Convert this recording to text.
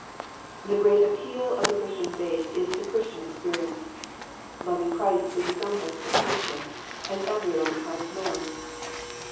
The great appeal of the Christian faith is to Christian experience. Loving Christ is its own justification, as every loving heart knows.